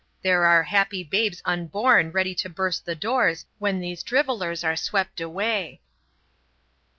There are happy babes unborn ready to burst the doors when these drivellers are swept away."